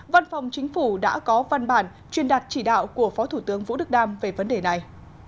văn phòng chính phủ đã có văn bản truyền đạt chỉ đạo của phó thủ tướng vũ đức đam về vấn đề này